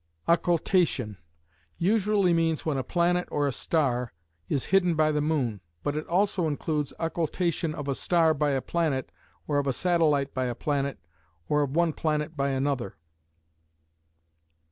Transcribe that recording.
Occultation: Usually means when a planet or star is hidden by the moon, but it also includes "occultation" of a star by a planet or of a satellite by a planet or of one planet by another.